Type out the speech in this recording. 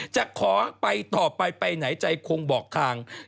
จะขอไปต่อไปไปไหนใจคงบอกทาง